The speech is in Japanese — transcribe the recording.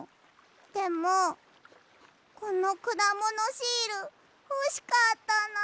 でもこのくだものシールほしかったなあ。